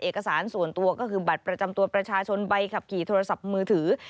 เอกสารส่วนตัวก็คือบัตรประจำตัวประชาชนใบขับขี่โทรศัพท์มือถือ